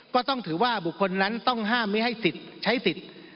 ก็ต้องถือว่าบุคคลนั้นต้องห้ามไม่ให้สิทธิ์ใช้สิทธิ์